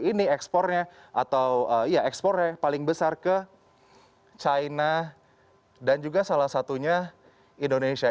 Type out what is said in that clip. ini ekspornya atau ya ekspornya paling besar ke china dan juga salah satunya indonesia